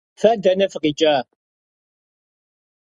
Fe dene fıkhiç'a?